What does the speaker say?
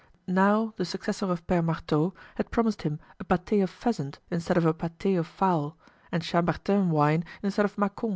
Now the successor of Pere Marteau had promised him a pate of pheasant instead of a pate of fowl, and Chambertin wine instead of Macon.